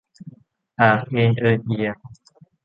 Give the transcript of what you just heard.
อาก เอน เอิน เอียง